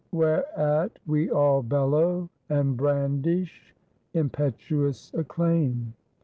— Whereat we all bellow, and brandish, impetu ous acclaim.